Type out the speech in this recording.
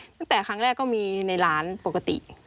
ตั้งแต่ครั้งแรกก็มีในร้านปกติ